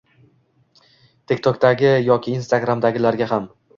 Tik tok’dagi yoki Instagram’dagilarga ham.